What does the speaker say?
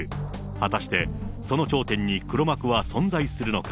果たしてその頂点に黒幕は存在するのか。